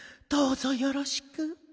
どうぞよろしく。